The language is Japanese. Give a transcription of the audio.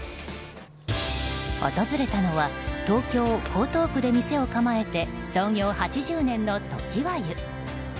訪れたのは東京・江東区で店を構えて創業８０年の常盤湯。